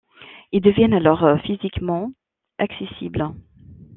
Ils deviennent alors physiquement accessibles.